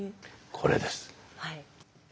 これです。